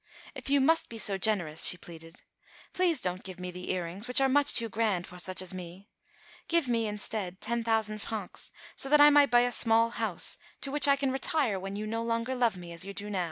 "If you must be so generous," she pleaded, "please don't give me the ear rings, which are much too grand for such as me. Give me, instead, ten thousand francs, so that I may buy a small house to which I can retire when you no longer love me as you now do."